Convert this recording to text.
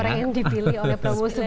orang yang dipilih oleh prabowo subianto